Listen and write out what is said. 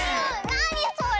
なにそれ？